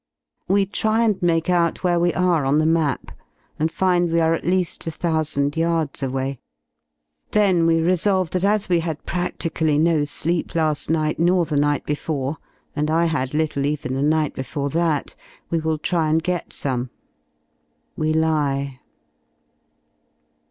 We try and make out where we are on the map, and find we are ^t lea^ i,ooo yards away. Then we resolve that as we had pradically no sleep la A night nor the night before, and I had little even the night before that, we will try and get some. We lie